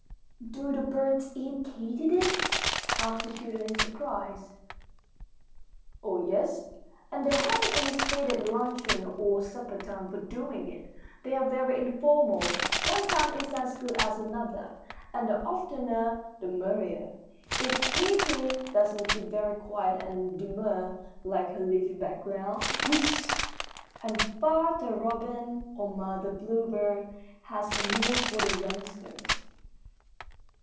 "Do the birds eat katydids?" asked the children, in surprise. "Oh yes, and they haven't any stated luncheon or supper time for doing it. They are very informal. One time is as good as another, and the oftener the merrier. If Katy doesn't keep very quiet and demure, like her leafy background, whist! and Father Robin or Mother Bluebird has a meal for the youngsters."